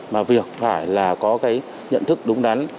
mà việc phải là có cái nhận thức đúng đắn